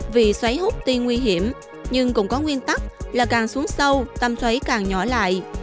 vì xoáy hút tiên nguy hiểm nhưng cũng có nguyên tắc là càng xuống sâu tâm xoáy càng nhỏ lại